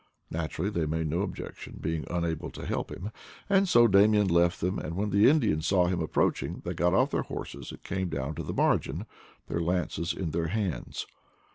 Naturally they made no objection, being unable to help him; and so Damian left them, and when the Indians saw him approaching they got off their horses and came down to the margin, their lances in their hands.